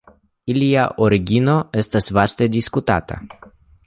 Ilia origino estas vaste diskutata.